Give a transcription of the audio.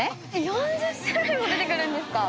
４０種類も出てくるんですか！